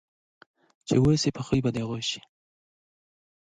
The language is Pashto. چې اوسې په خوی په د هغو سې.